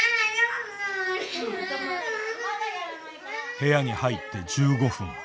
部屋に入って１５分。